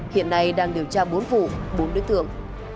hiện nay đang điều tra bốn vụ bốn đối tượng